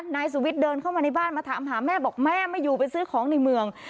นายสุวิทย์เดินเข้ามาในบ้านมาถามหาแม่บอกแม่ไม่อยู่ไปซื้อของในเมือง